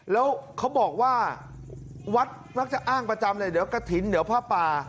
แล้วเขาบอกว่าวัดมักจะอ้างประจำเลยเดี๋ยวกระถิ่นเดี๋ยวผ้าป่า